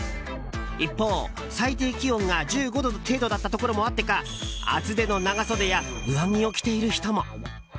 一方、最低気温が１５度程度だったところもあってか厚手の長袖や上着を着ている人も。